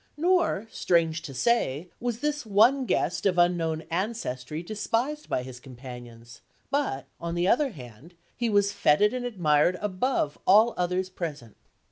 Nor, strange to say, was this one guest of unknown ancestry despised by his companions; but, on the other hand, he was fêted and admired above all others present.